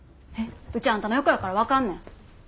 ウチあんたの横やから分かんねん。